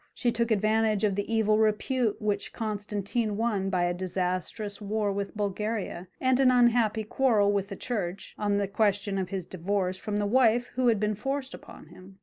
She took advantage of the evil repute which Constantine won by a disastrous war with Bulgaria, and an unhappy quarrel with the Church, on the question of his divorce from the wife who had been forced upon him.